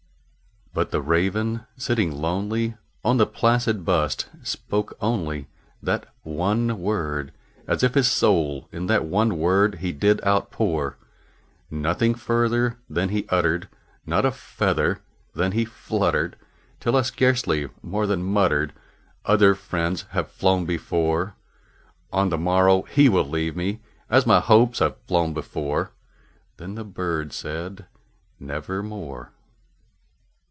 But the Raven, sitting lonely on that placid bust, spoke only That one word, as if his soul in that one word he did outpour. Nothing further then he uttered not a feather then he fluttered Till I scarcely more than muttered, "Other friends have flown before On the morrow he will leave me, as my hopes have flown before." Then the bird said, "Nevermore."